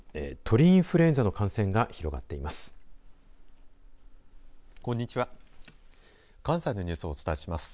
鳥インフルエンザの感染が広がっています。